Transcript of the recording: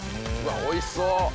おいしそう！